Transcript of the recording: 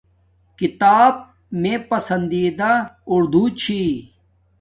کتاب میں پسندیدہ اُودو چھی